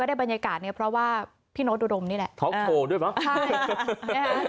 ก็ได้บรรยากาศเนี้ยเพราะว่าพี่โน้ตดวงมนี่แหละด้วยปะใช่ค่ะ